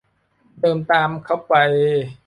เดินตามเค้าไป